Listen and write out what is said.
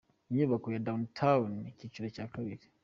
Inyubako ya Downtown, icyiciro cya kabiri .